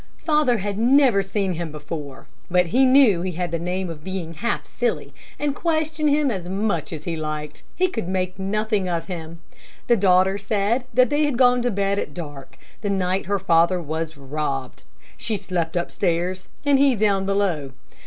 Father had never seen him before, but he knew he had the name of being half silly, and question him as much as he liked, he could make nothing of him. The daughter said that they had gone to bed at dark the night her father was robbed. She slept up stairs, and he down below.